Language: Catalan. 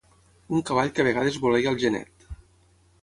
Un cavall que a vegades voleia el genet.